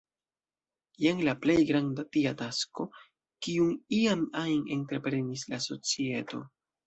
Jen la plej granda tia tasko, kiun iam ajn entreprenis la societo.